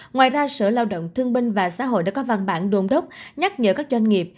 ngoài ra sở lao động thương binh và xã hội đã có văn bản đôn đốc nhắc nhở các doanh nghiệp